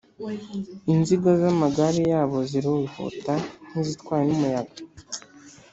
inziga z’amagare yabo zirihuta nk’izitwawe n’umuyaga.